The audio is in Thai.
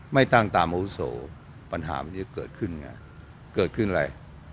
ไม่ตั้งตามอุโสสูงสุดปัญหามันนี่เกิดขึ้นน่ะเกิดขึ้นอะไร